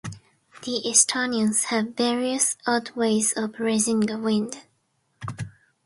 The Estonians have various odd ways of raising a wind.